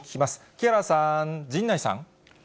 木原さん、陣内さん。